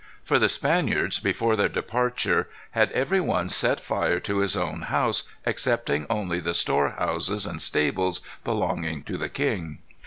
For the Spaniards, before their departure, had every one set fire to his own house, excepting only the store houses and stables belonging to the king.